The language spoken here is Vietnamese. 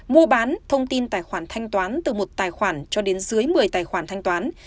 mua bán thông tin tài khoản thanh toán từ một tài khoản cho đến dưới một mươi tài khoản thanh toán